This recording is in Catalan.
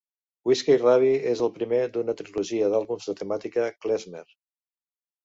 "Whiskey Rabbi" és el primer d'una trilogia d'àlbums de temàtica klezmer.